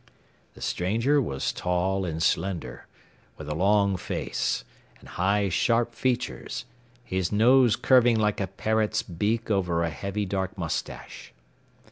The stranger was tall and slender, with a long face, and high, sharp features, his nose curving like a parrot's beak over a heavy dark mustache.